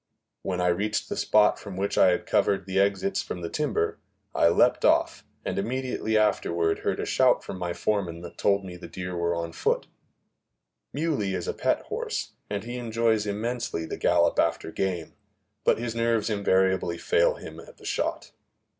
When I reached the spot from which I covered the exits from the timber, I leaped off, and immediately afterward heard a shout from my foreman that told me the deer were on foot. Muley is a pet horse, and he enjoys immensely the gallop after game; but his nerves invariably fail him at the shot.